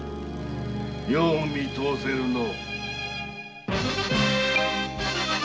よう見通せるのう。